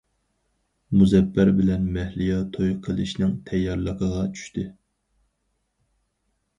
مۇزەپپەر بىلەن مەھلىيا توي قىلىشنىڭ تەييارلىقىغا چۈشتى.